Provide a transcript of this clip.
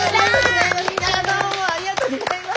どうもありがとうギョざいます。